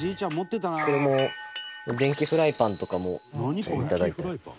これも、電気フライパンとかもいただいたり。